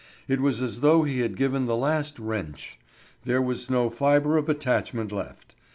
It was as though he had given the last wrench; there was no fibre of attachment left.